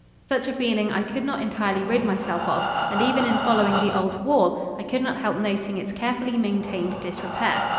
Such a feeling I could not entirely rid myself of, and even in following the old wall, I could not help noting its carefully maintained disrepair.